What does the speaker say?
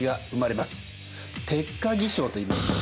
鉄火起請といいます。